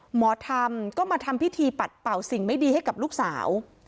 หมอธรรมก็มาทำพิธีปัดเป่าสิ่งไม่ดีให้กับลูกสาว